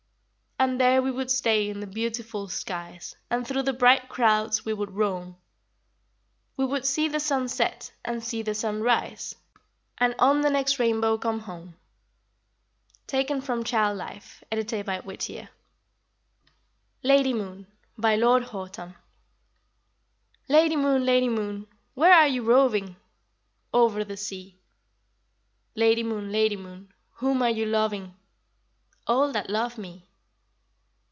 And there we would stay In the beautiful skies, And through the bright clouds we would roam; We would see the sun set, And see the sun rise, And on the next rainbow come home. Taken from Child Life, edited by Whittier. LADY MOON. BY LORD HOUGHTON. Lady Moon, Lady Moon, where are you roving? Over the sea. Lady Moon, Lady Moon, whom are you loving? All that love me.